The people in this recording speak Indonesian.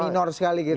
minor sekali gitu ya